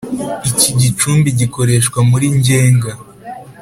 iki gicumbi gikoreshwa muri ngenga